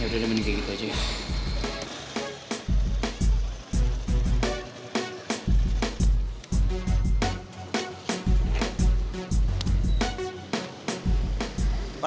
yaudah deh mending kayak gitu aja ya